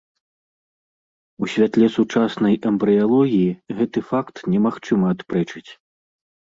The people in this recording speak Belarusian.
У святле сучаснай эмбрыялогіі гэты факт немагчыма адпрэчыць.